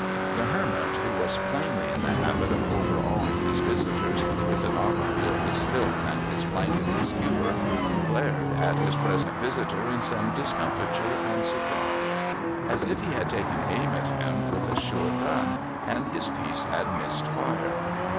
The Hermit, who was plainly in the habit of overawing his visitors with the novelty of his filth and his blanket and skewer, glared at his present visitor in some discomfiture and surprise : as if he had taken aim at him with a sure gun, and his piece had missed fire.